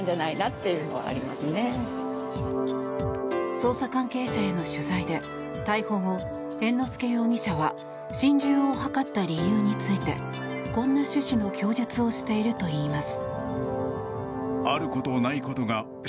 捜査関係者への取材で逮捕後、猿之助容疑者は心中を図った理由についてこんな趣旨の供述をしているといいます。